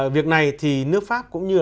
việc này thì nước pháp cũng như